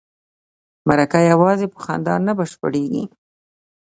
مرکه یوازې په خندا نه بشپړیږي.